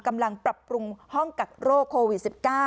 กำลังปรับปรุงห้องกักโรคโควิด๑๙